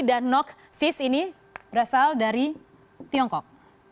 dan ini berasal dari tiongkok